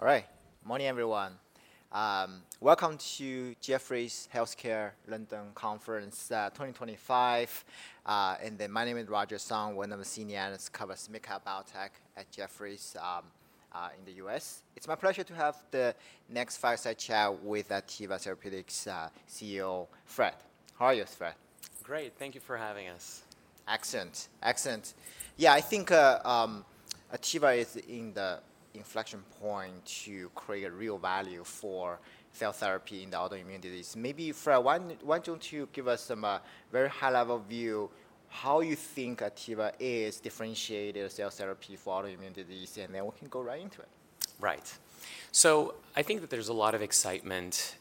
All right, morning everyone. Welcome to Jefferies Healthcare London Conference 2025. My name is Roger Song, one of the senior analysts covering Smith Biotech at Jefferies in the U.S. It's my pleasure to have the next fireside chat with Ativa Therapeutics CEO Fred. How are you, Fred? Great. Thank you for having us. Accent excellent. Yeah, I think Artiva is in the inflection point to create a real value for cell therapy in the autoimmune disease. Maybe. Fred, why don't you give us some very high level view how you think Artiva is differentiated cell therapy for autoimmune disease. And then we can go right into it. Right? I think that there's a lot of excitement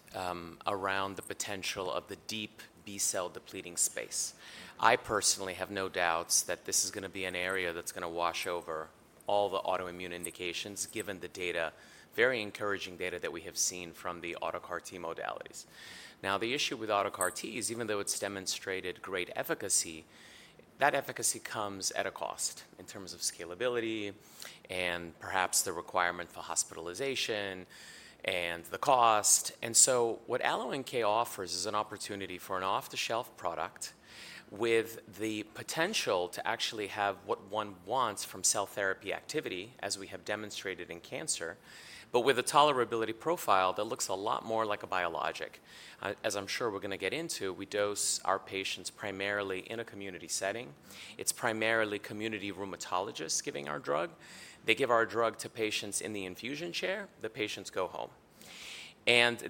around the potential of the deep B cell depleting space. I personally have no doubts that this is gonna be an area that's gonna wash over all the autoimmune indications given the data, very encouraging data that we have seen from the AutoCAR T modalities. Now, the issue with AutoCAR T is even though it's demonstrated great efficacy, that efficacy comes at a cost in terms of scalability and perhaps the requirement for hospitalization and the cost. What AlloNK offers is an opportunity for an off the shelf product with the potential to actually have what one wants from cell therapy activity, as we have demonstrated in cancer, but with a tolerability profile that looks a lot more like a biologic, as I'm sure we're going to get into. We dose our patients primarily in a community setting. It's primarily community rheumatologists giving our drug. They give our drug to patients in the infusion chair, the patients go home.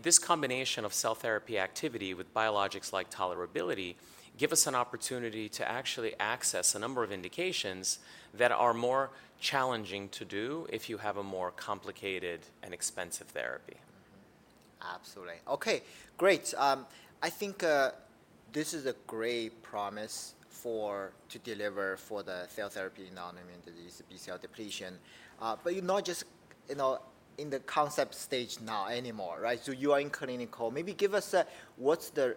This combination of cell therapy activity with biologics-like tolerability gives us an opportunity to actually access a number of indications that are more challenging to do if you have a more complicated and expensive therapy. Absolutely. Okay, great. I think this is a great promise to deliver for the cell therapy non-immune disease, B cell depletion. You're not just in the concept stage now anymore, right? You are in clinical. Maybe give us what's the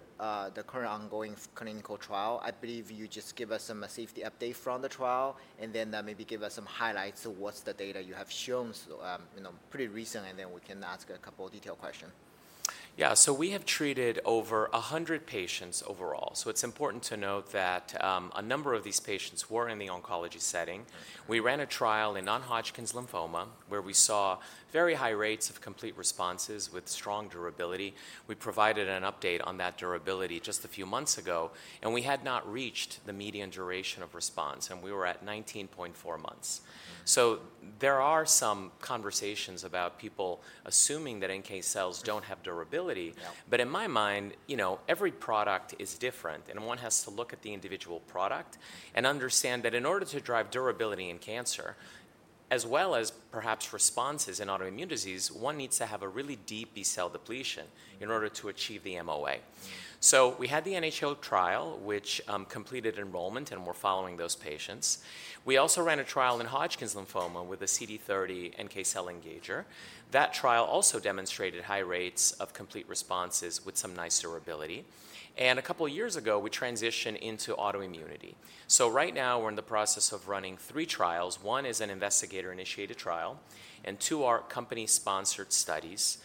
current ongoing clinical trial. I believe you just gave us some safety update from the trial and then maybe give us some highlights. What's the data you have shown pretty recent. Then we can ask a couple detailed questions. Yeah, so we have treated over 100 patients overall. It's important to note that a number of these patients were in the oncology setting. We ran a trial in non-Hodgkin's lymphoma where we saw very high rates of complete responses with strong durability. We provided an update on that durability just a few months ago and we had not reached the median duration of response and we were at 19.4 months. There are some conversations about people assuming that NK cells don't have durability, but in my mind, every product is different and one has to look at the individual product and understand that in order to drive durability in cancer, as well as perhaps responses in autoimmune disease, one needs to have a really deep B cell depletion in order to achieve the MOA. We had the NHL trial which completed enrollment and we're following those patients. We also ran a trial in Hodgkin's lymphoma with a CD30NK cell engager. That trial also demonstrated high rates of complete responses with some nice durability. A couple years ago we transitioned into autoimmunity. Right now we're in the process of running three trials. One is an investigator-initiated trial and two are company-sponsored studies.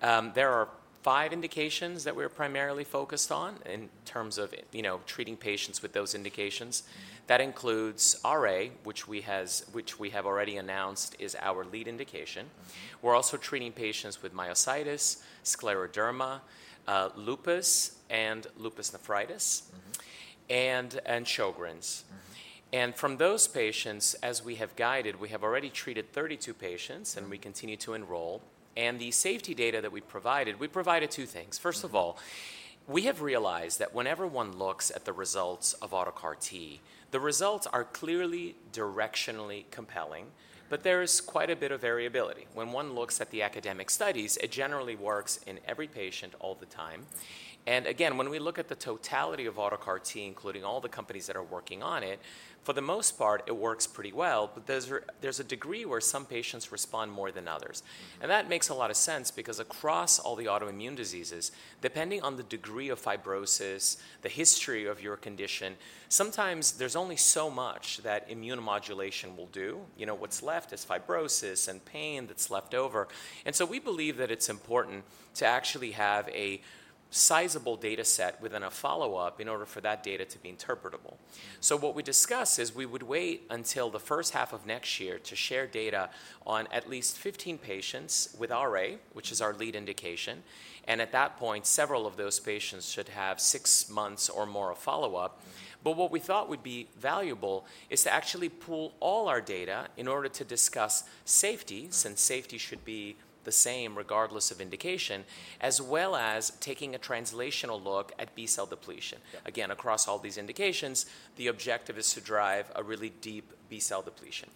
There are five indications that we're primarily focused on in terms of, you know, treating patients with those indications. That includes RA, which we have already announced is our lead indication. We're also treating patients with myositis, scleroderma, lupus and lupus nephritis, and Sjogren's. From those patients, as we have guided, we have already treated 32 patients and we continue to enroll. The safety data that we provided, we provided two things. First of all, we have realized that whenever one looks at the results of AutoCAR T, the results are clearly directionally compelling. There is quite a bit of variability when one looks at the academic studies. It generally works in every patient all the time. When we look at the totality of AutoCAR T, including all the companies that are working on it, for the most part it works pretty well. There is a degree where some patients respond more than others. That makes a lot of sense because across all the autoimmune diseases, depending on the degree of fibrosis, the history of your condition, sometimes there is only so much that immunomodulation will do. What is left is fibrosis and pain that is left over. We believe that it's important to actually have a sizable data set within a follow up in order for that data to be interpretable. What we discuss is we would wait until the first half of next year to share data on at least 15 patients with RA, which is our lead indication. At that point, several of those patients should have six months or more of follow up. What we thought would be valuable is to actually pull all our data in order to discuss safety, since safety should be the same regardless of indication, as well as taking a translational look at B cell depletion. Again, across all these indications, the objective is to drive a really deep B cell depletion.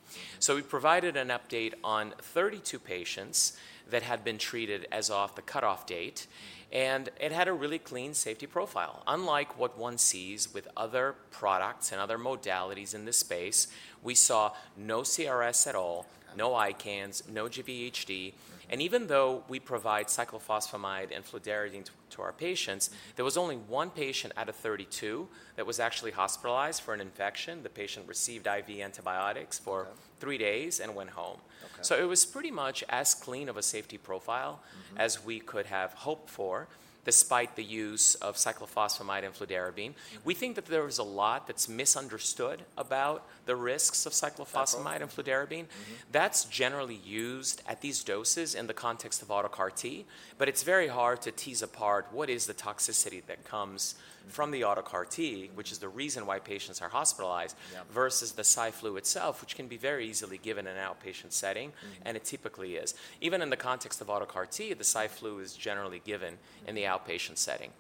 We provided an update on 32 patients that had been treated as of the cutoff date. It had a really clean safety profile, unlike what one sees with other products and other modalities in this space. We saw no CRS at all, no ICANS, no GVHD. Even though we provide cyclophosphamide and fludarabine to our patients, there was only one patient out of 32 that was actually hospitalized for an infection. The patient received IV antibiotics for three days and went home. It was pretty much as clean of a safety profile as we could have hoped for, despite the use of cyclophosphamide and fludarabine. We think that there is a lot that is misunderstood about the risks of cyclophosphamide and fludarabine that is generally used at these doses in the context of AutoCAR T. It is very hard to tease apart what is the toxicity that comes from the AutoCAR T, which is the reason why patients are hospitalized, versus the CY flu itself, which can be very easily given in an outpatient setting. It typically is. Even in the context of AutoCAR T, the CY flu is generally given in the outpatient setting.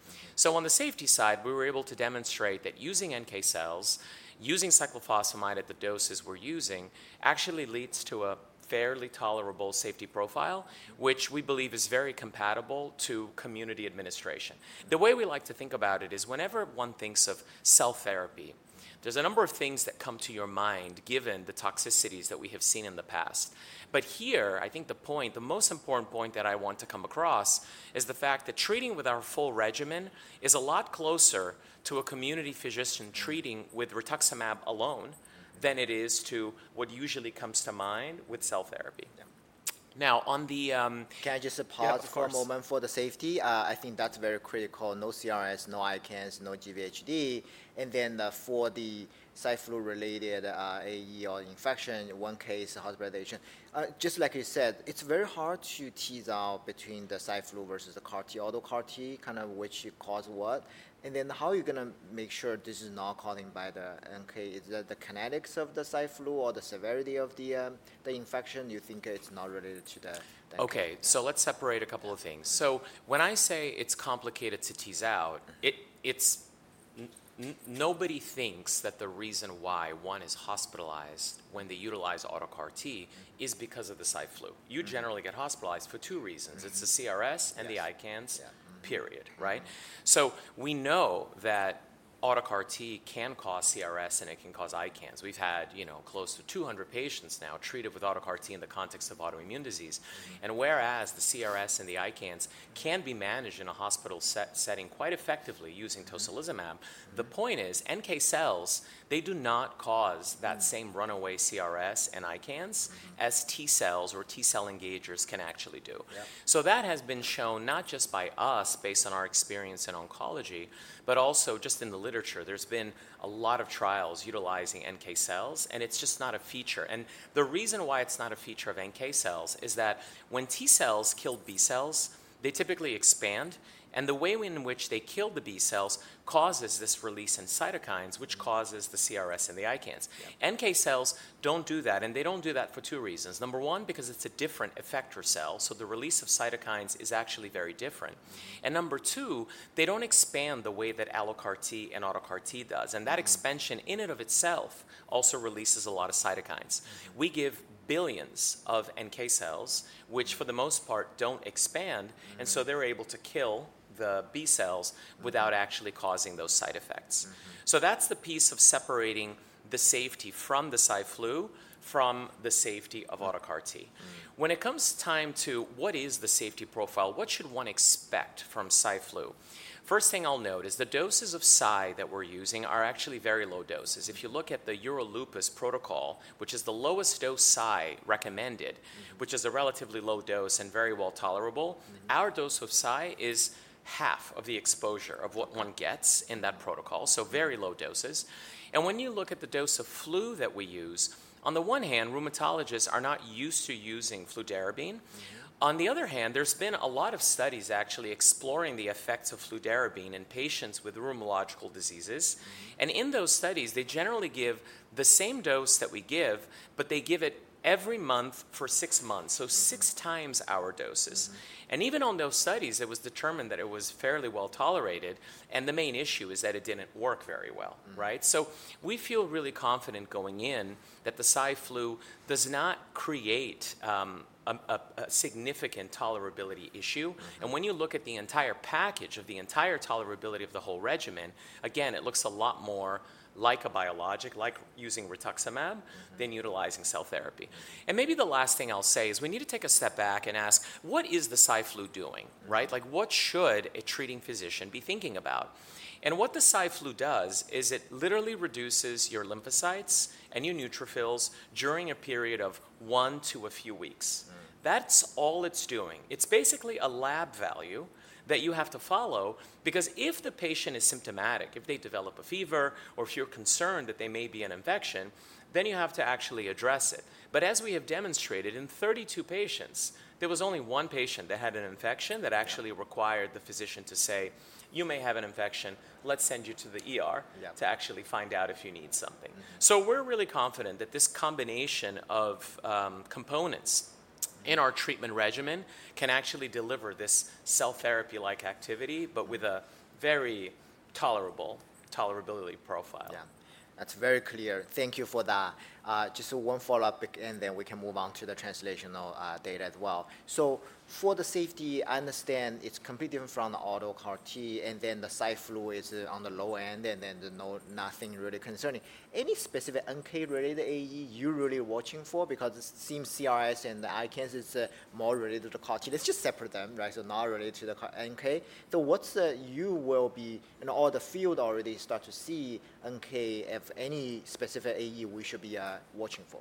On the safety side, we were able to demonstrate that using NK cells, using cyclophosphamide at the doses we are using actually leads to a fairly tolerable safety profile, which we believe is very compatible to community administration. The way we like to think about it is whenever one thinks of cell therapy, there are a number of things that come to your mind, given the toxicities that we have seen in the past. Here I think the point, the most important point that I want to come across is the fact that treating with our full regimen is a lot closer to a community physician treating with rituximab alone than it is to what usually comes to mind with cell therapy. Now on the. Can I just pause for a moment for the safety. I think that's very critical. No CRS, no ICANS, no GVHD. And then for the site flu-related AE or infection, one case hospitalization just like you said, it's very hard to tease out between the site flu versus the CAR T or AutoCAR T kind of which cause what. And then how are you gonna make sure this is not caught in by the, okay, is that the kinetics of the site flu or the severity of the infection? You think it's not related to that? Okay, let's separate a couple of things. When I say it's complicated to tease out, nobody thinks that the reason why one is hospitalized when they utilize AutoCAR T is because of the side flu. You generally get hospitalized for two reasons. It's the CRS and the ICANS, period. Right. We know that AutoCAR T can cause CRS and it can cause ICANS. We've had, you know, close to 200 patients now treated with AutoCAR T in the context of autoimmune disease. Whereas the CRS and the ICANS can be managed in a hospital setting quite effectively using tocilizumab. The point is, NK cells, they do not cause that same runaway CRS and ICANS as T cells or T cell engagers can actually do. That has been shown not just by us, based on our experience in oncology, but also just in the literature. There have been a lot of trials utilizing NK cells, and it is just not a feature. The reason why it is not a feature of NK cells is that when T cells kill B cells, they typically expand. The way in which they kill the B cells causes this release in cytokines, which causes the CRS and the ICANS. NK cells do not do that. They do not do that for two reasons. Number one, because it is a different effector cell, so the release of cytokines is actually very different. Number two, they do not expand the way that CAR T and AutoCAR T does. That expansion in and of itself also releases a lot of cytokines. We give billions of NK cells, which for the most part do not expand, and so they are able to kill the B cells without actually causing those side effects. That is the piece of separating the safety from the Cy Flu from the safety of AutoCAR T. When it comes time to what is the safety profile, what should one expect from Cy Flu? First thing I will note is the doses of Cy that we are using are actually very low doses. If you look at the Euro-Lupus protocol, which is the lowest dose Cy recommended, which is a relatively low dose and very well tolerable, our dose of Cy is half of the exposure of what one gets in that protocol. Very low doses. When you look at the dose of Flu that we use, on the one hand, rheumatologists are not used to using Flu, fludarabine. On the other hand, there's been a lot of studies actually exploring the effects of fludarabine in patients with rheumatological diseases. In those studies they generally give the same dose that we give, but they give it every month for six months, so six times our doses. Even on those studies it was determined that it was fairly well tolerated. The main issue is that it didn't work very well. Right. We feel really confident going in that the SIFU does not create a significant tolerability issue. When you look at the entire package of the entire tolerability of the whole regimen, again, it looks a lot more like a biologic, like using rituximab than utilizing cell therapy. Maybe the last thing I'll say is we need to take a step back and ask what is the SIFLU doing. Right. Like what should a treating physician be thinking about? What the SIFLU does is it literally reduces your lymphocytes and your neutrophils during a period of one to a few weeks. That's all it's doing. It's basically a lab value that you have to follow because if the patient is symptomatic, if they develop a fever, or if you're concerned that there may be an infection, then you have to actually address it. As we have demonstrated in 32 patients, there was only one patient that had an infection that actually required the physician to say you may have an infection. Let's send you to the ER to actually find out if you need something. We are really confident that this combination of components in our treatment regimen can actually deliver this cell therapy-like activity, but with a very tolerable tolerability profile. Yeah, that's very clear. Thank you for that. Just one follow up and then we can move on to the translational data as well. For the safety, I understand it's completely different from the AutoCAR T and then the side fluid is on the low end and then nothing really concerning. Any specific NK related AE you really watching for? Because it seems CRS and the ICANS is more related to the CAR T. Let's just separate them, right? Not related to the NK. What you will be in all the field already start to see NK, if any specific AE we should be watching for?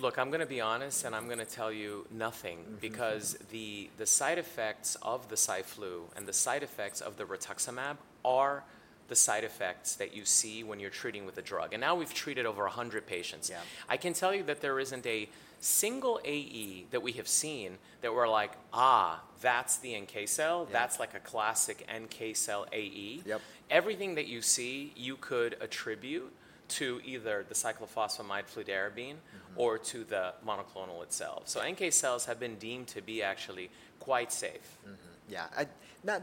Look, I'm going to be honest and I'm going to tell you nothing because the side effects of the S flu and the side effects of the rituximab are the side effects that you see when you're treating with a drug. Now we've treated over 100 patients. I can tell you that there isn't a single AE that we have seen that we're like, ah, that's the NK cell. That's like a classic NK cell AE. Everything that you see you could attribute to either the cyclophosphamide, fludarabine, or to the monoclonal itself. NK cells have been deemed to be actually quite safe. Yeah,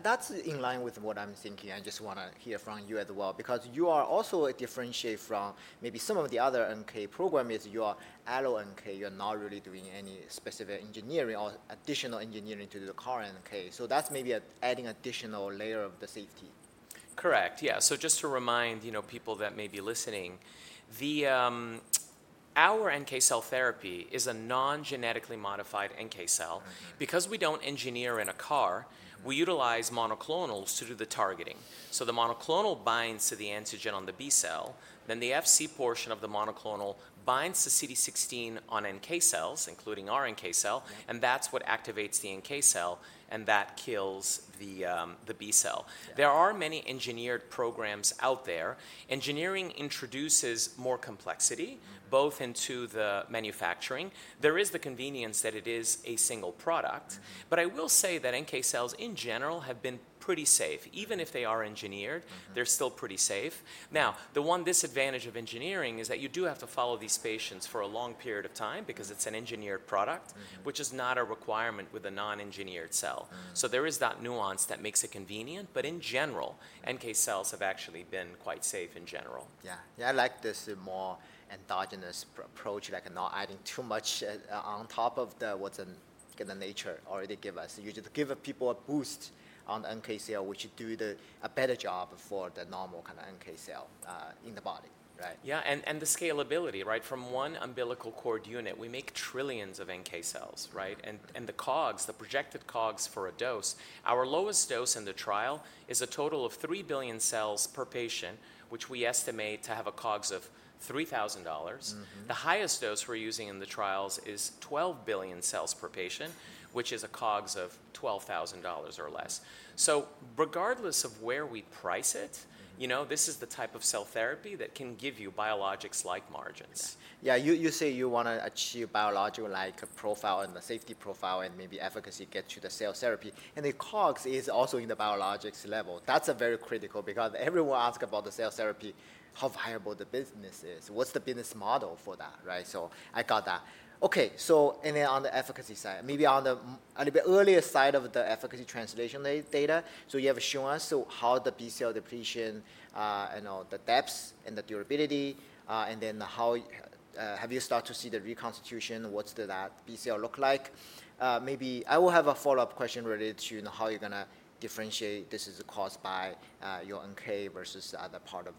that's in line with what I'm thinking. I just want to hear from you as well because you are also differentiated from maybe some of the other NK programs is you are all NK. You're not really doing any specific engineering or additional engineering to the current NK. So that's maybe adding an additional layer of the safety. Correct? Yeah. Just to remind people that may be listening, our NK cell therapy is a non-genetically modified NK cell because we do not engineer in a CAR. We utilize monoclonals to do the targeting. The monoclonal binds to the antigen on the B cell. Then the Fc portion of the monoclonal binds to CD16 on NK cells, including our NK cell. That is what activates the NK cell and that kills the B cell. There are many engineered programs out there. Engineering introduces more complexity both into the manufacturing. There is the convenience that it is a single product. I will say that NK cells in general have been pretty safe. Even if they are engineered, they are still pretty safe. Now the one disadvantage of engineering is that you do have to follow these patients for a long period of time because it's an engineered product, which is not a requirement with a non-engineered cell. There is that nuance that makes it convenient. In general, NK cells have actually been quite safe. In general. Yeah. Yeah. I like this more endogenous approach, like not adding too much on top of what's in the nature already. Give us, give people a boost on NK cell, which do a better job for the normal kind of NK cell in the body, right? Yeah. And the scalability. Right. From one umbilical cord unit we make trillions of NK cells. Right. And the COGS, the projected COGS for a dose, our lowest dose in the trial is a total of 3 billion cells per patient, which we estimate to have a COGS of $3,000. The highest dose we're using in the trials is 12 billion cells per patient, which is a COGS of $12,000 or less. So regardless of where we price it, you know this is the type of cell therapy that can give you biologics like margins. Yeah. You say you want to achieve biologic-like profile and the safety profile and maybe efficacy gets you the cell therapy and the COGS is also in the biologics level. That's very critical because everyone asks about the cell therapy, how viable the business is, what's the business model for that? Right. I got that. On the efficacy side, maybe on the earlier side of the efficacy translational data. You have shown us how the B cell depletion and all the depths and the durability and then how have you started to see the reconstitution? What's the B cell look like? Maybe I will have a follow-up question related to how you're going to differentiate. This is caused by your NK versus the other part of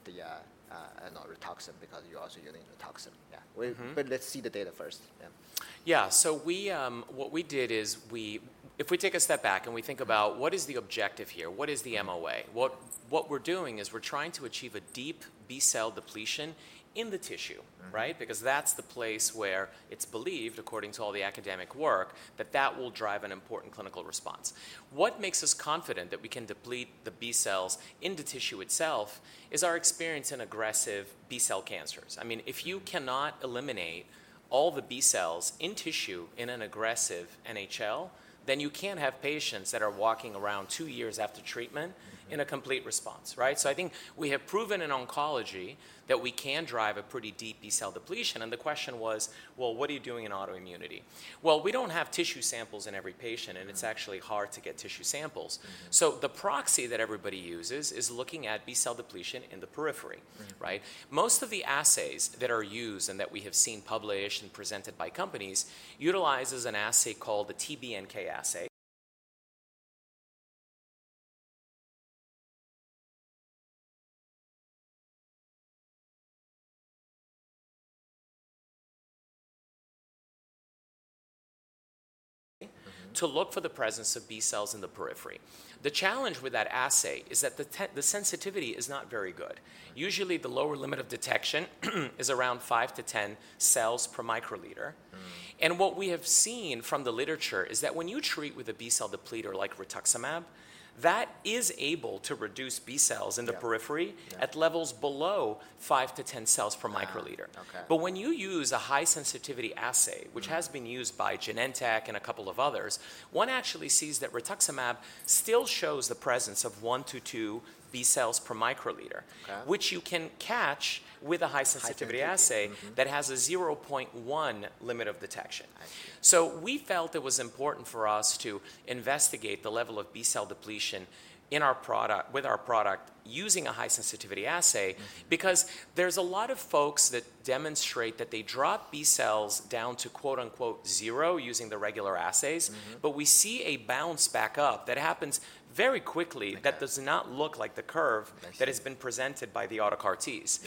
the—because you're also using a toxin. Let's see the data first. Yeah. So what we did is if we take a step back and we think about what is the objective here, what is the MOA? What we're doing is we're trying to achieve a deep B cell depletion in the tissue. Right. Because that's the place where it's believed, according to all the academic work, that that will drive an important clinical response. What makes us confident that we can deploy the B cells in the tissue itself is our experience in aggressive B cell cancers. I mean, if you cannot eliminate all the B cells in tissue in an aggressive NHL, then you can't have patients that are walking around two years after treatment in a complete response. Right. I think we have proven in oncology that we can drive a pretty deep B cell depletion. The question was, well, what are you doing in autoimmunity? We do not have tissue samples in every patient and it is actually hard to get tissue samples. The proxy that everybody uses is looking at B cell depletion in the periphery. Right. Most of the assays that are used and that we have seen, published and presented by companies, utilize an assay called the TBNK assay to look for the presence of B cells in the periphery. The challenge with that assay is that the sensitivity is not very good. Usually the lower limit of detection is around 5-10 cells per microliter. What we have seen from the literature is that when you treat with a B cell depleter like rituximab, that is able to reduce B cells in the periphery at levels below 5-10 cells per microliter. When you use a high sensitivity assay, which has been used by Genentech and a couple of others, one actually sees that rituximab still shows the presence of one to two B cells per microliter, which you can catch with a high sensitivity assay that has a 0.1 limit of detection. We felt it was important for us to investigate the level of B cell depletion in our product, with our product using a high sensitivity assay, because there are a lot of folks that demonstrate that they drop B cells down to quote unquote zero using the regular assays. We see a bounce back up that happens very quickly that does not look like the curve that has been presented by the AutoCAR Ts.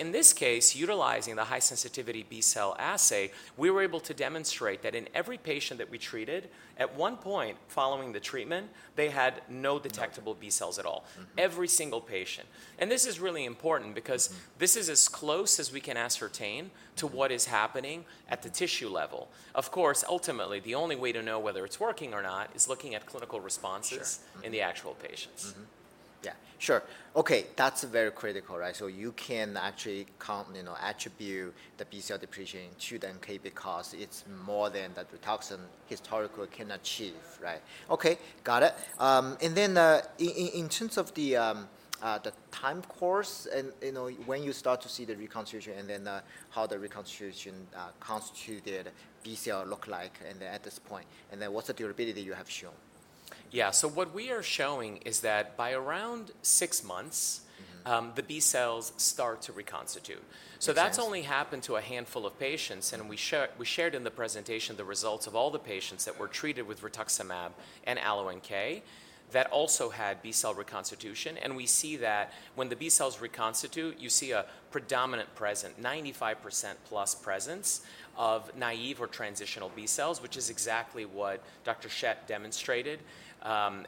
In this case, utilizing the high sensitivity B cell assay, we were able to demonstrate that in every patient that we treated at one point following the treatment, they had no detectable B cells at all. Every single patient. This is really important because this is as close as we can ascertain to what is happening at the tissue level. Of course, ultimately the only way to know whether it's working or not is looking at clinical responses in the actual patients. Yeah, sure. Okay, that's very critical. Right, so you can actually attribute the B cell depletion to the NK because it's more than the toxin historical can achieve. Right, okay, got it. In terms of the time course and, you know, when you start to see the reconstitution and then how the reconstituted B cell receptor look like at this point, and then what's the durability you have shown? Yeah, so what we are showing is that by around six months, the B cells start to reconstitute. That has only happened to a handful of patients. We shared in the presentation the results of all the patients that were treated with rituximab and AlloNK that also had B cell reconstitution. We see that when the B cells reconstitute, you see a predominant, present 95%+ presence of naive or transitional B cells, which is exactly what Dr. Shett demonstrated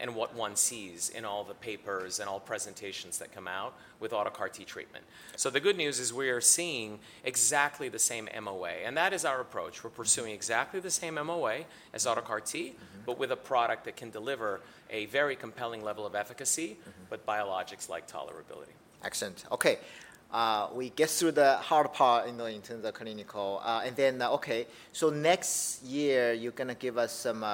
and what one sees in all the papers and all presentations that come out with AutoCAR T treatment. The good news is we are seeing exactly the same MOA and that is our approach. We are pursuing exactly the same MOA as AutoCAR T but with a product that can deliver a very compelling level of efficacy, but biologics-like tolerability. Excellent. Okay. We get through the hard part in terms of clinical and then. Okay, next year you're going to give us some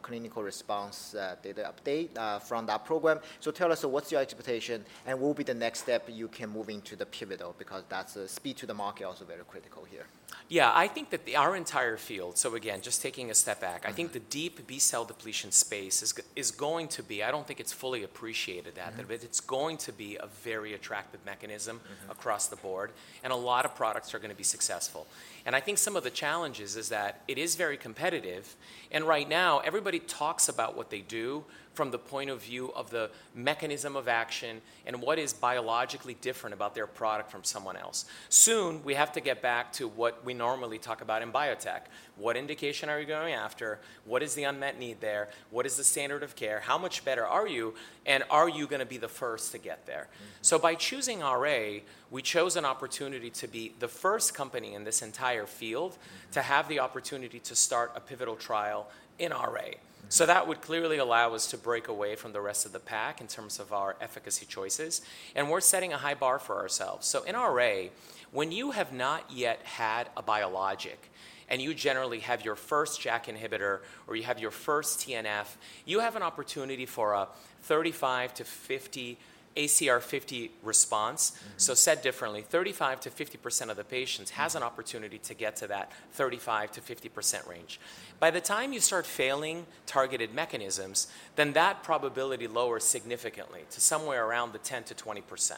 clinical response data update from that program. Tell us what's your expectation and will be the next step you can moving to the pivotal because that's a speed to the market also very critical here. Yeah, I think that our entire field. So again, just taking a step back, I think the deep B cell depletion space is going to be. I do not think it is fully appreciated that it is going to be a very attractive mechanism across the board and a lot of products are going to be successful. I think some of the challenges is that it is very competitive. Right now everybody talks about what they do from the point of view of the mechanism of action and what is biologically different about their product from someone else. Soon we have to get back to what we normally talk about in biotech. What indication are you going after? What is the unmet need there? What is the standard of care? How much better are you and are you going to be the first to get there? By choosing RA, we chose an opportunity to be the first company in this entire field to have the opportunity to start a pivotal trial in RA. That would clearly allow us to break away from the rest of the pack in terms of our efficacy choices and we're setting a high bar for ourselves. In RA, when you have not yet had a biologic and you generally have your first JAK inhibitor or you have your first TNF, you have an opportunity for a 35%-50% ACR50 response. Said differently, 35%-50% of the patients has an opportunity to get to that 35%-50% range. By the time you start failing targeted mechanisms, then that probability lowers significantly to somewhere around the 10%-20%.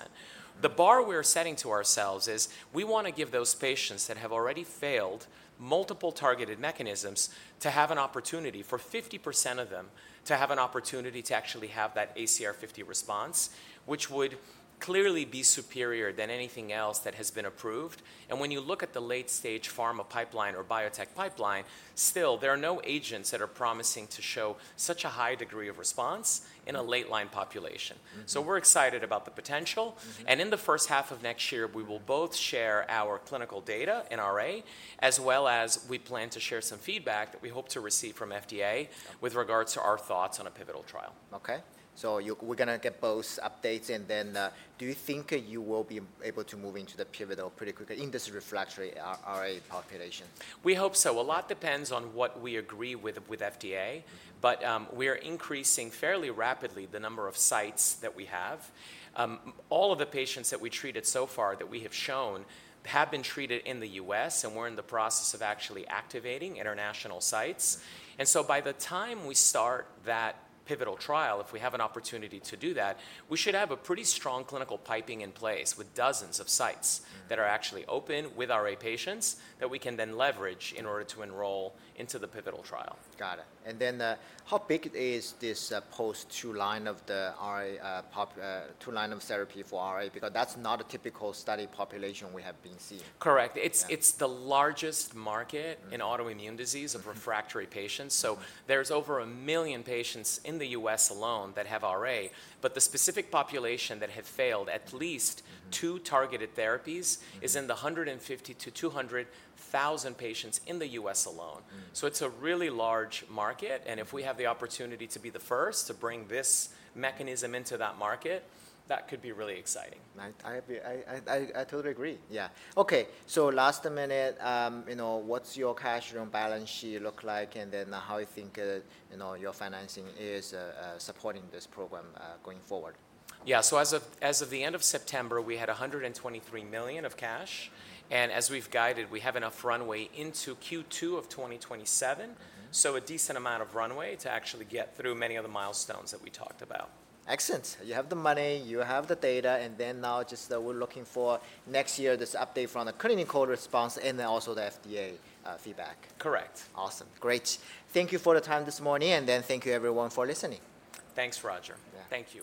The bar we are setting to ourselves is we want to give those patients that have already failed multiple targeted mechanisms to have an opportunity for 50% of them to have an opportunity to actually have that ACR50 response, which would clearly be superior than anything else that has been approved. When you look at the late stage pharma pipeline or biotech pipeline, still there are no agents that are promising to show such a high degree of response in a late line population. We are excited about the potential. In the first half of next year, we will both share our clinical data in RA as well as we plan to share some feedback that we hope to receive from FDA with regards to our thoughts on a pivotal trial. Okay, so we're going to get both updates and then do you think you will be able to move into the pivotal pretty quickly in this refractory RA population? We hope so. A lot depends on what we agree with FDA, but we are increasing fairly rapidly the number of sites that we have. All of the patients that we treated so far that we have shown have been treated in the U.S. and we're in the process of actually activating international sites. By the time we start that pivotal trial, if we have an opportunity to do that, we should have a pretty strong clinical piping in place with dozens of sites that are actually open with RA patients that we can then leverage in order to enroll into the pivotal trial. Got it. How big is this post 2 line of therapy for RA? Because that's not a typical study population we have been seeing. Correct. It's the largest market in autoimmune disease of refractory patients. There are over a million patients in the U.S. alone that have RA. The specific population that have failed at least two targeted therapies is in the 150,000-200,000 patients in the U.S. alone. It's a really large market. If we have the opportunity to be the first to bring this mechanism into that market, that could be really exciting. I totally agree. Yeah. Okay, so last minute, you know, what's your cash balance sheet look like and then how you think your financing is supporting this program going forward? Forward, yeah. As of the end of September, we had $123 million of cash. As we've guided, we have enough runway into Q2 of 2027. A decent amount of runway to actually get through many of the milestones that we talked about. Excellent. You have the money, you have the data. Now just we're looking for next year, this update from the clinical response and then also the FDA feedback. Correct. Awesome. Great. Thank you for the time this morning. Thank you everyone for listening. Thanks, Roger. Thank you.